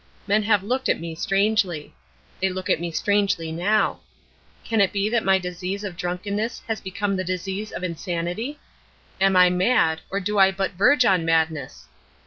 Men have looked at me strangely. They look at me strangely now. Can it be that my disease of drunkenness has become the disease of insanity? Am I mad, or do I but verge on madness?